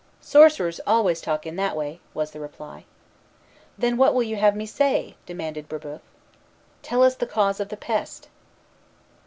"Sorcerers always talk in that way," was the reply. "Then what will you have me say?" demanded Brébeuf. "Tell us the cause of the pest."